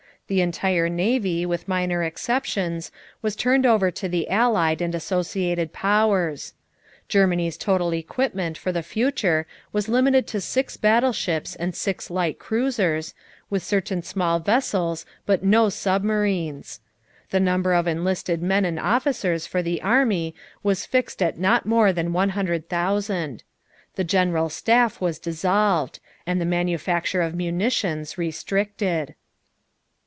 The entire navy, with minor exceptions, was turned over to the Allied and Associated Powers; Germany's total equipment for the future was limited to six battleships and six light cruisers, with certain small vessels but no submarines. The number of enlisted men and officers for the army was fixed at not more than 100,000; the General Staff was dissolved; and the manufacture of munitions restricted.